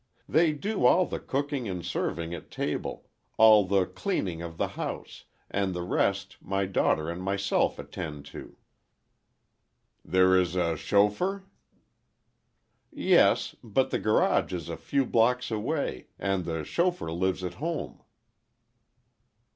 "They do all the cooking and serving at table; all the cleaning of the house; and the rest, my daughter and myself attend to." "There is a chauffeur?" "Yes, but the garage is a few blocks away, and the chauffeur lives at home."